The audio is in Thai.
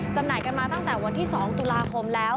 จำหน่ายกันมาตั้งแต่วันที่๒ตุลาคมแล้ว